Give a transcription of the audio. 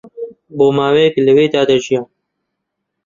بۆ ماوەیەک لەوێدا دەژیان